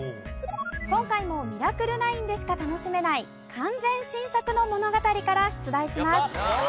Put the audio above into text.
今回も『ミラクル９』でしか楽しめない完全新作の物語から出題します。